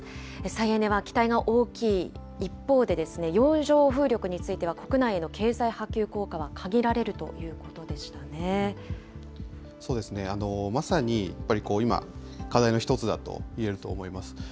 再エネは期待が大きい一方で、洋上風力については国内への経済波及効果は限られるということでそうですね、まさにやっぱり今、課題の一つだといえると思います。